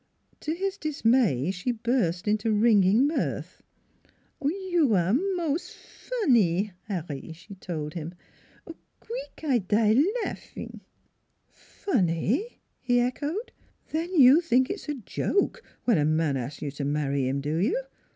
" To his dismay she burst into ringing mirth. " You aire mos' fonny, 'Arry," she told him. " Qweek I die laffin'." "Funny?" he echoed. "Then you think it's a joke, when a man asks you to marry him, do you?